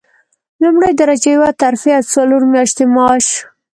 لومړۍ درجه یوه ترفیع او څلور میاشتې معاش.